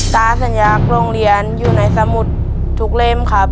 ตาสัญญาโรงเรียนอยู่ในสมุทรทุกเล่มครับ